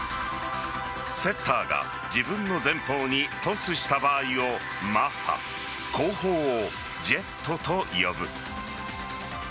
セッターが自分の前方にトスした場合をマッハ後方をジェットと呼ぶ。